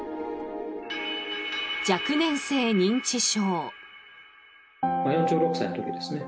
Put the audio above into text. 若年性認知症。